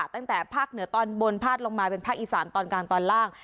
ตั้งแต่ภาคเหนือตอนบนพาดลงมาเป็นภาคอีสานตอนกลางตอนล่าง